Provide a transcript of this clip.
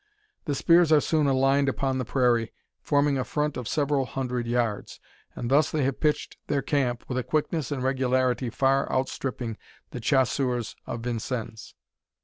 The spears are soon aligned upon the prairie, forming a front of several hundred yards; and thus they have pitched their camp with a quickness and regularity far outstripping the Chasseurs of Vincennes.